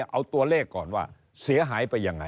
เอาตัวเลขก่อนว่าเสียหายไปยังไง